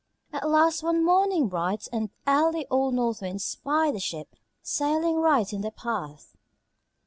At last one morning bright and early old North Wind espied a ship sailing right in their path.